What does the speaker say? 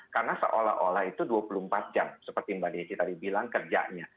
karena seolah olah itu dua puluh empat jam seperti mbak desi tadi bilang kerjanya